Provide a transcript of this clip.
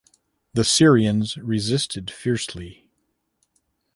The Syrians resisted fiercely.